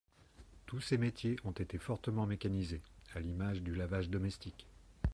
Tous ces métiers ont été fortement mécanisés, à l'image du lavage domestique.